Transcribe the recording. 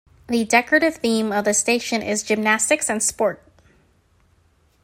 The decorative theme of the station is "gymnastics and sport".